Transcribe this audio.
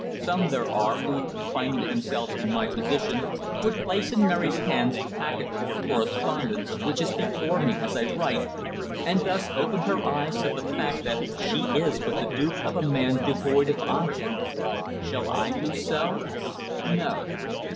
Some there are who, finding themselves in my position, would place in Mary's hands the packet of your correspondence which is before me as I write, and thus open her eyes to the fact that she is but the dupe of a man devoid of honour. Shall I do so? No.